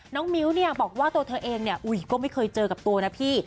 มิ้วเนี่ยบอกว่าตัวเธอเองก็ไม่เคยเจอกับตัวนะพี่